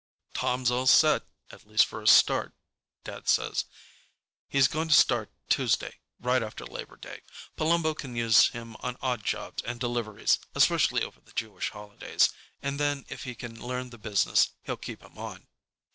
"Tom's all set, at least for a start," Dad says. "He's going to start Tuesday, right after Labor Day. Palumbo can use him on odd jobs and deliveries, especially over the Jewish holidays, and then if he can learn the business, he'll keep him on."